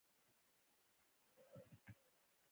ګلداد له کټه راکښته شو.